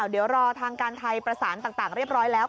เดี๋ยวรอทางการไทยประสานต่างเรียบร้อยแล้ว